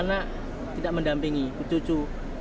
anak tidak mendampingi cucu